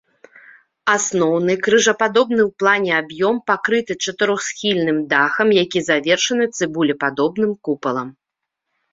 Асноўны крыжападобны ў плане аб'ём пакрыты чатырохсхільным дахам, які завершаны цыбулепадобным купалам.